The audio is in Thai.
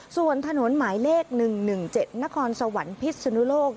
ส่วนถนนหมายเลขหนึ่งหนึ่งเจ็ดนครสวรรค์พิษสุนุโลก